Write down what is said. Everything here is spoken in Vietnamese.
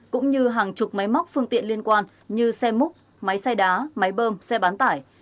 cũng như hàng chục máy móc phương tiện liên quan như xe múc máy xay đá máy bơm xe bán tải